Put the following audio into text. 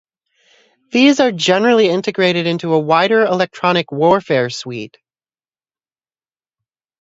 These are generally integrated into a wider electronic warfare suite.